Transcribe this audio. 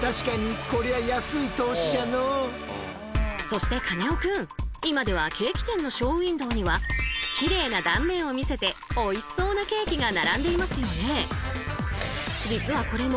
そしてカネオくん今ではケーキ店のショーウインドーにはきれいな断面を見せておいしそうなケーキが並んでいますよね。